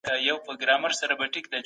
انسان تر پسه ډیر هوښیار دی؟